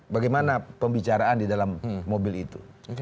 bagaimana pembicaraan di dalam mobil itu